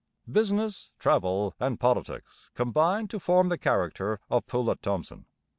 ] Business, travel, and politics combined to form the character of Poulett Thomson.